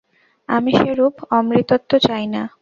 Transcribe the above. আমি সেরূপ অমৃতত্ব চাই না।